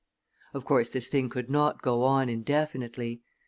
Of course, this thing could not go on indefinitely.